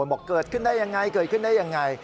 บอกเกิดขึ้นได้อย่างไร